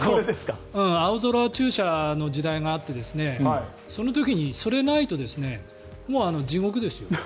青空駐車の時代があってその時に、それがないともう地獄ですよ。